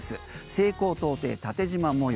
西高東低、縦じま模様。